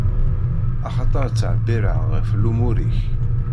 Axaṭer ttɛebbiṛeɣ ɣef lumuṛ-ik.